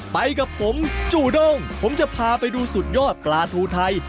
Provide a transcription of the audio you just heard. ไปกับผมจูด้งผมจะพาไปดูสุดยอดปลาทูไทย